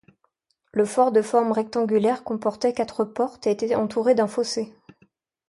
Le fort de forme rectangulaire comportait quatre portes et était entouré d'un fossé.